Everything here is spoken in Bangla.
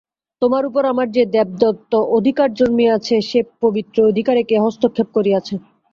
তোমার উপর আমার যে দেবদত্ত অধিকার জন্মিয়াছে সে পবিত্র অধিকারে কে হস্তক্ষেপ করিয়াছে?